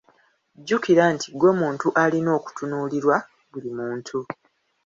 Jjukira nti gwe muntu alina okutunuulirwa buli muntu.